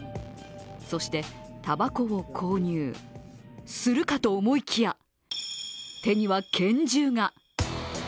そして、たばこを購入するかと思いきや、手には、拳銃が。